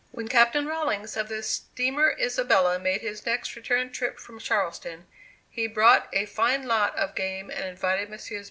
When Captain Rawlings, of the Steamer "Isabella" made his next return trip from Charleston, he brought a fine lot of game and invited Messrs.